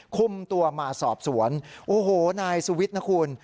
คุมตัวมาสอบสวนโอ้โหนายสุวิทย์นะคุณ